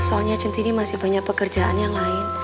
soalnya cinti ini masih banyak pekerjaan yang lain